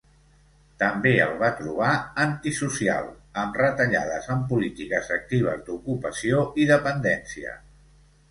També el va trobar ‘antisocial’, amb retallades en polítiques actives d’ocupació i dependència.